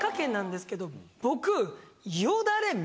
僕。